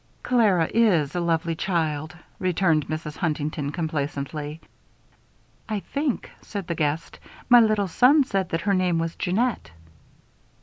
"Clara is a lovely child," returned Mrs. Huntington, complacently. "I think," said the guest, "my little son said that her name was Jeannette."